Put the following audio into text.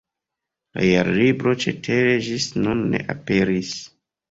La Jarlibro cetere ĝis nun ne aperis.